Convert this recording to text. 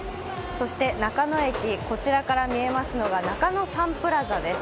そして中野駅、こちらから見えますのが中野サンプラザです。